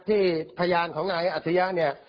ที่พยานของนายอาศิยะเนี่ย